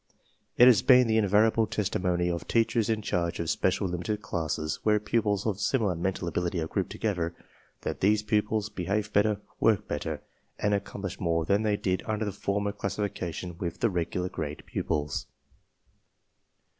It has been the invariable testimony of teachers in charge of special limited classes, where pupils of similar mental ability are grouped together, that these pupils behave better, work better, and accom plish more than they did under the former classification with the regular grade pupils.)